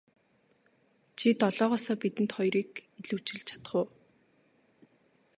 Чи долоогоосоо бидэнд хоёрыг илүүчилж чадах уу.